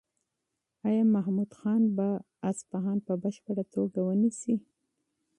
ایا محمود خان به اصفهان په بشپړه توګه ونیسي؟